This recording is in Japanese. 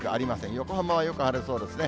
横浜はよく晴れそうですね。